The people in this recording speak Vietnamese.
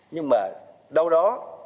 nhưng mà đâu đó